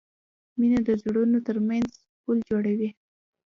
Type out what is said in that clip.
مینه د زړونو ترمنځ پُل جوړوي.